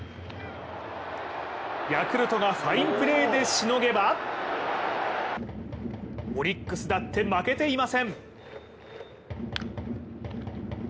ヤクルトがファインプレーでしのげばオリックスだって負けていません。